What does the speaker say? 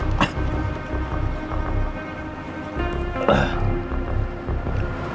nggak ada apa apa